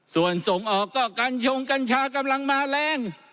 ส่วนส่งออกก็กัญชงกัญชากำลังมาแรง